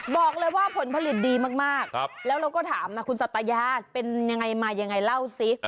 บอกเลยว่าผลผลิตดีมากแล้วเราก็ถามนะคุณสัตยาเป็นยังไงมายังไงเล่าสิ